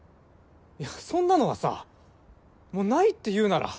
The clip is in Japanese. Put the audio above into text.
そんなのはさもうないっていうなら。